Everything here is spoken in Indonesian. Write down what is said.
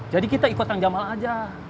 jadi kita ikut kang jamal aja